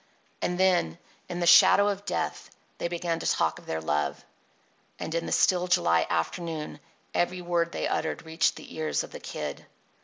And then, in the shadow of death, they began to talk of their love; and in the still July afternoon every word they uttered reached the ears of the Kid.